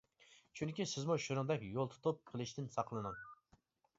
چۈنكى سىزمۇ شۇنىڭدەك يول تۇتۇپ قېلىشتىن ساقلىنىڭ.